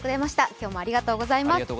今日もありがとうございます。